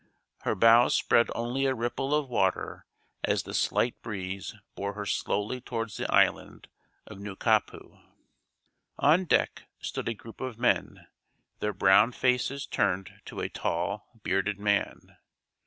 Her bows spread only a ripple of water as the slight breeze bore her slowly towards the island of Nukapu. On deck stood a group of men, their brown faces turned to a tall, bearded man.